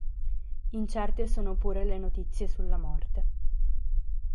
Incerte sono pure le notizie sulla morte.